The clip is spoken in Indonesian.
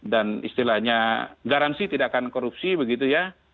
dan istilahnya garansi tidak akan korupsi begitu ya